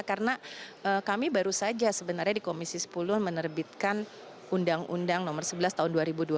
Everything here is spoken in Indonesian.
karena kami baru saja sebenarnya di komisi sepuluh menerbitkan undang undang nomor sebelas tahun dua ribu dua puluh dua